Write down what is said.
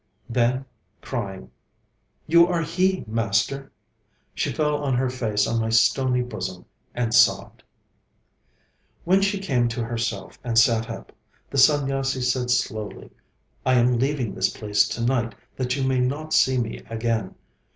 Then crying, 'You are he, Master!' she fell on her face on my stony bosom, and sobbed. When she came to herself, and sat up, the Sanyasi said slowly: 'I am leaving this place to night that you may not see me again.